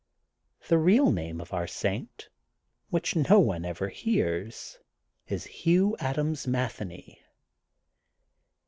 The real name of our saint, which no one ever hears, is Hugh Adams Matheney.